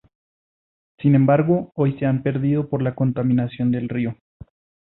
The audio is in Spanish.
Sin embargo, hoy se han perdido por la contaminación del río.